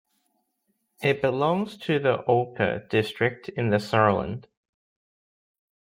It belongs to the Olpe district in the Sauerland.